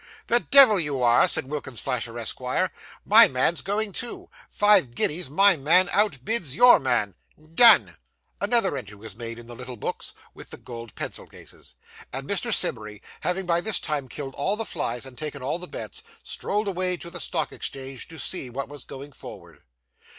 'The devil you are!' said Wilkins Flasher, Esquire. 'My man's going too. Five guineas my man outbids your man.' 'Done.' Another entry was made in the little books, with the gold pencil cases; and Mr. Simmery, having by this time killed all the flies and taken all the bets, strolled away to the Stock Exchange to see what was going forward.